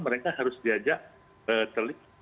mereka harus diajak telit